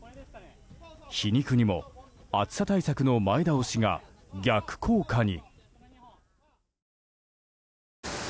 皮肉にも暑さ対策の前倒しが逆効果に。